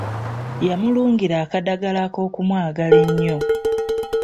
Yamulungira akadagala ak'okumwagala ennyo.